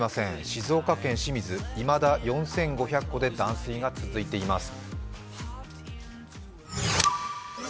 静岡県清水、いまだ４５００戸で断水が続いています。